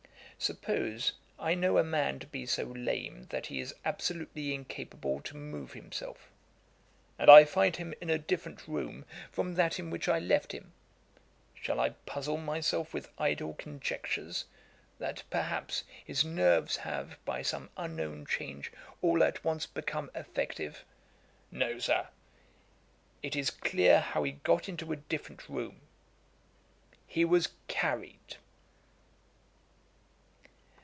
Suppose, I know a man to be so lame that he is absolutely incapable to move himself, and I find him in a different room from that in which I left him; shall I puzzle myself with idle conjectures, that, perhaps, his nerves have by some unknown change all at once become effective? No, Sir; it it clear how he got into a different room: he was carried.' [Page 467: Torture in Holland.